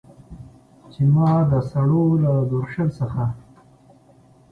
چې ما د سړو له درشل څخه